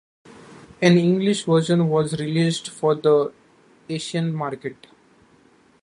An English version was released for the Asian market.